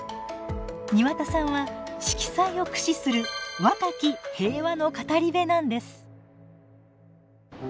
庭田さんは色彩を駆使する若き平和の語り部なんです。